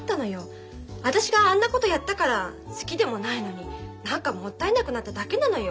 私があんなことやったから好きでもないのに何かもったいなくなっただけなのよ。